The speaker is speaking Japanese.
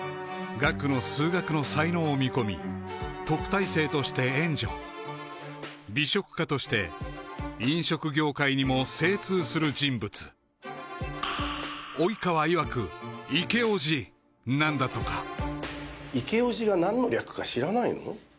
岳の数学の才能を見込み特待生として援助美食家として飲食業界にも精通する人物及川いわくなんだとかイケオジが何の略か知らないの？